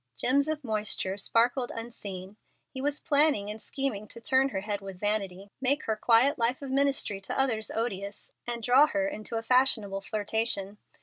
Gems of moisture sparkled unseen. He was planning and scheming to turn her head with vanity, make her quiet life of ministry to others odious, and draw her into a fashionable flirtation.